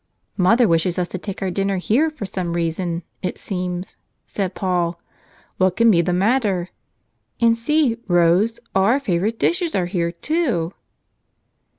"Mother wishes us to take our dinner here for some reason, it seems," said Paul. "What can be the matter. And see, Rose, all our favorite dishes are here, too!"